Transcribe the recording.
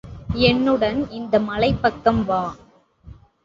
என்னுடன் இந்த மலைப்பக்கம் வா!